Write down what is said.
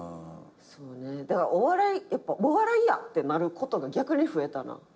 だからやっぱお笑いやってなることが逆に増えたな。